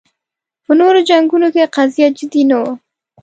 په نورو جنګونو کې قضیه جدي نه وه